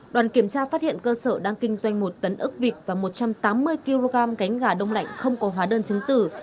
đoàn kiểm tra phát hiện cơ sở đang kinh doanh một tấn ốc vịt và một trăm tám mươi kg cánh gà đông lạnh không có hóa đơn chứng tử